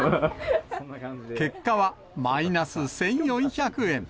結果は、マイナス１４００円。